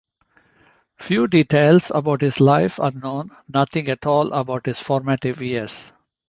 Few details about his life are known, nothing at all about his formative years.